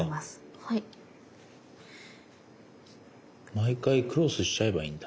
毎回クロスしちゃえばいいんだ。